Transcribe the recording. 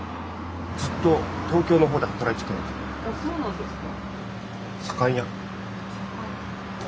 あっそうなんですか。